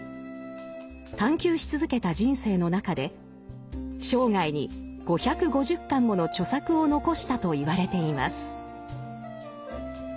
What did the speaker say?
探求し続けた人生の中で生涯に５５０巻もの著作を残したといわれています。